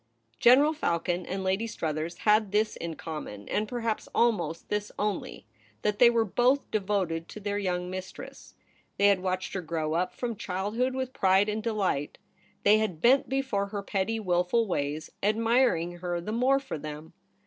General Falcon and Lady Struthers had 158 THE REBEL ROSE. this in common, and perhaps almost this only, that they were both devoted to their young mistress. They had watched her growth up from childhood with pride and delight. They had bent before her pretty wilful ways, ad mirinof her the more for them.